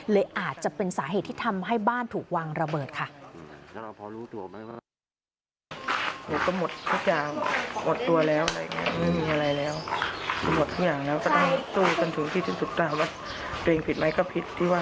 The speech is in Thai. เลยอาจจะเป็นสาเหตุที่ทำให้บ้านถูกวางระเบิดค่ะ